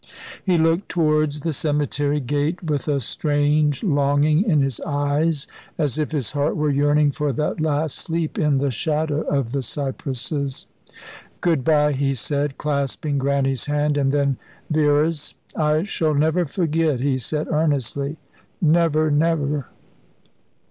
He looked towards the cemetery gate with a strange longing in his eyes, as if his heart were yearning for that last sleep in the shadow of the cypresses. "Good bye," he said, clasping Grannie's hand, and then Vena's. "I shall never forget," he said, earnestly. "Never, never."